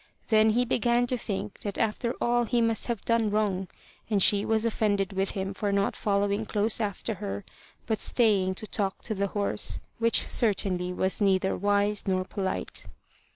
Then he began to think that after all he must have done wrong, and she was offended with him for not following close after her, but staying to talk to the horse, which certainly was neither wise nor polite.